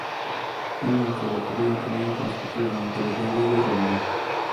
Tiene en su recorrido un camellón con esculturas de la mitología griega y romana.